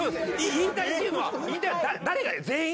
引退っていうのは誰が全員？